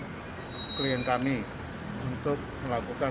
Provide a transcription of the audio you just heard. dan meminta kehadiran lpsk untuk meminta kehadiran